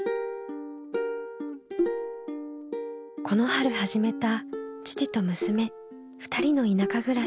この春始めた父と娘２人の田舎暮らし。